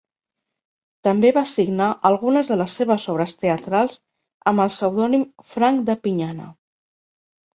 També va signar algunes de les seves obres teatrals amb el pseudònim Franc de Pinyana.